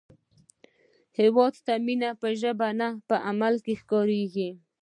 هیواد ته مینه په ژبه نه، په عمل ښکارېږي